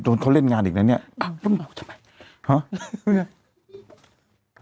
เป็นการกระตุ้นการไหลเวียนของเลือด